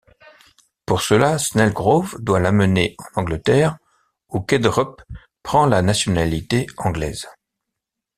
Pour cela, Snellgrove doit l’amener en Angleterre, où Khedrup prend la nationalité anglaise.